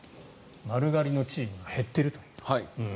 丸刈りのチームが減っているという。